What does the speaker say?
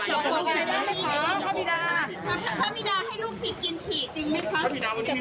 พระบิดากล้ากินฉี่ตัวเองไหมครับ